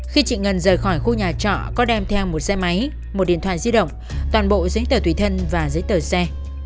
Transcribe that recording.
khi chị ngân rời khỏi khu nhà trọ có đem theo một xe máy một điện thoại di động toàn bộ giấy tờ tùy thân và giấy tờ xe